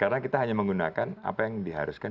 karena kita hanya menggunakan apa yang diharuskan